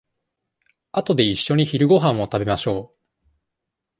あとでいっしょに昼ごはんを食べましょう。